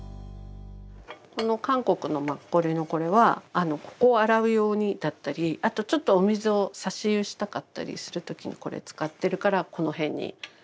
この韓国のマッコリのこれはここを洗う用にだったりあとちょっとお水をさし湯したかったりする時にこれ使ってるからこの辺にあるとか。